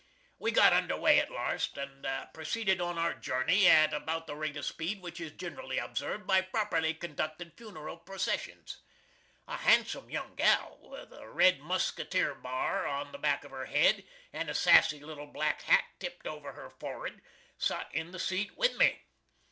We got under way at larst, an' proceeded on our jerney at about the rate of speed which is ginrally obsarved by properly conducted funeral processions. A hansum yung gal, with a red musketer bar on the back side of her hed, and a sassy little black hat tipt over her forrerd, sot in the seat with me.